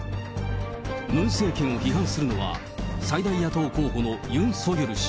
ムン政権を批判するのは、最大野党候補のユン・ソギョル氏。